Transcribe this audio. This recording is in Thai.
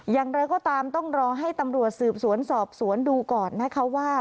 อย่างไรก็ตามต้องรอให้ตำรวจสืบสวนสอบสวนดูก่อนนะคะว่า